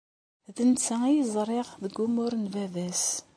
D netta ay ẓriɣ deg umur n baba-s.